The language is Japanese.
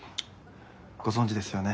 ご存じですよね？